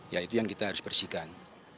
ya itu yang kita harus bersihkan